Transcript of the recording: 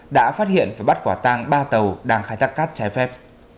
đã phát hiện và bắt quả tang ba tàu đang khai thác cát trái phép